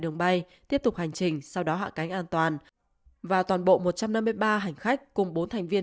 đường bay tiếp tục hành trình sau đó hạ cánh an toàn và toàn bộ một trăm năm mươi ba hành khách cùng bốn thành viên